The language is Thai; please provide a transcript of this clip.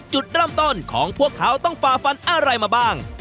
จุดเริ่มต้นของพวกเขาต้องฝ่าฟันอะไรมาบ้าง